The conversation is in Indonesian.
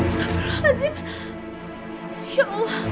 sabar ya ria